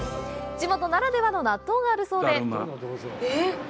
地元ならではの納豆があるそうで。